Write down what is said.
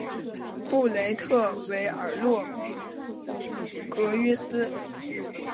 布雷特维尔洛格约斯。